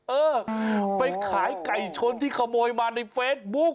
เออไปขายไก่ชนที่ขโมยมาในเฟซบุ๊ก